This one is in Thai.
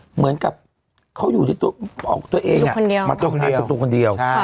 เหมือนกับเขาออกตัวเองมาทำงานกับตัวคนเดียว